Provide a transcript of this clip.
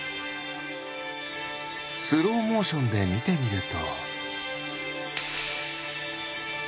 スローモーションでみてみると。